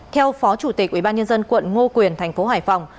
theo phó chủ tịch ubnd quận ngô quyền thành phố hải phòng